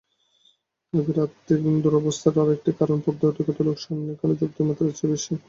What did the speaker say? আরইবির আর্থিক দুরবস্থার আরেকটি কারণ পদ্ধতিগত লোকসান এখনো যৌক্তিক মাত্রার চেয়ে বেশি।